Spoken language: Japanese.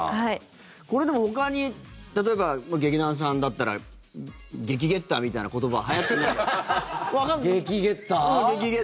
これ、でもほかに例えば劇団さんだったらゲキゲッタみたいな言葉はやってない？